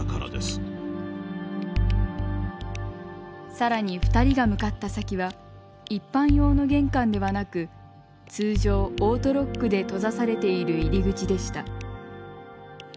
更に２人が向かった先は一般用の玄関ではなく通常オートロックで閉ざされている入り口でした。